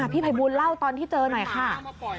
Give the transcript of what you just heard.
พี่ภัยบูลเล่าตอนที่เจอหน่อยค่ะ